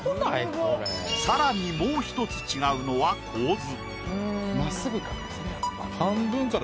更にもう一つ違うのは構図。